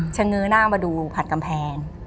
เฉงือหน้ามาดูผ่านกำแพง